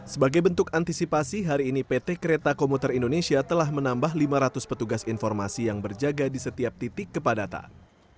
sebagai bentuk antisipasi hari ini pt kereta komuter indonesia telah menambah lima ratus petugas informasi yang berjaga di setiap titik kepadatan